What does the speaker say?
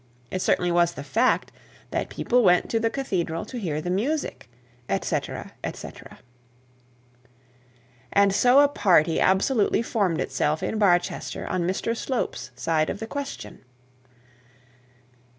It certainly was the fact, that people went to the cathedral to hear the music &c &c. And so a party absolutely formed itself in Barchester on Mr Slope's side of the question!